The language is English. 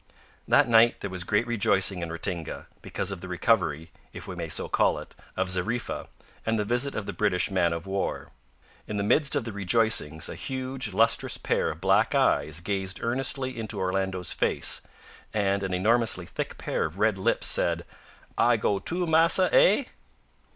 That night there was great rejoicing in Ratinga, because of the recovery, if we may so call it, of Zariffa, and the visit of the British man of war. In the midst of the rejoicings a huge, lustrous pair of black eyes gazed earnestly into Orlando's face, and an enormously thick pair of red lips said, "I go too, massa eh?"